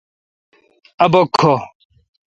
اؘ بک کھو۔